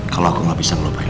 kalau aku gak bisa ngelupain